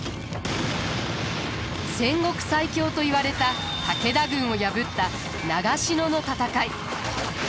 戦国最強といわれた武田軍を破った長篠の戦い。